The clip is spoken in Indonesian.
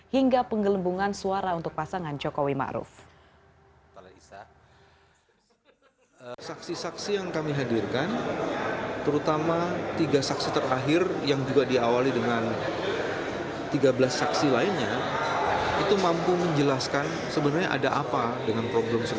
hingga penggelembungan suara untuk pasangan jokowi ma'ruf